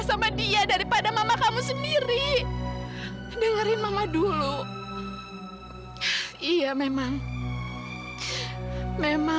sampai jumpa di video selanjutnya